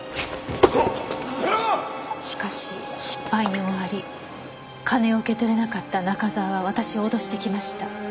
「しかし失敗に終わり金を受け取れなかった中沢は私を脅してきました」